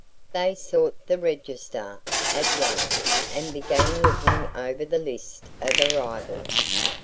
They sought the register at once and began looking over the list of arrivals.